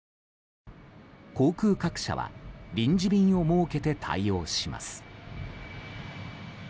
航空各社は臨時便を設けて対応します。